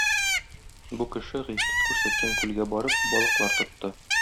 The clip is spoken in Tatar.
Бу кеше, Гыйфрит күрсәткән күлгә барып, балыклар тотты.